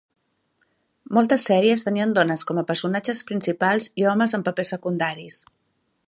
Moltes sèries tenien dones com a personatges principals i homes en papers secundaris.